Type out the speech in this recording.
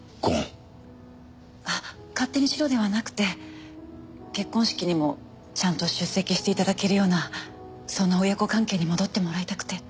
あっ勝手にしろではなくて結婚式にもちゃんと出席して頂けるようなそんな親子関係に戻ってもらいたくて。